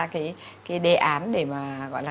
cái đề án để mà